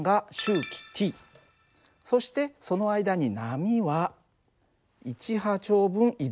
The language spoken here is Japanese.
そしてその間に波は１波長分移動する。